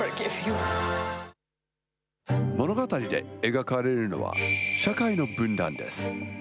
物語で描かれるのは、社会の分断です。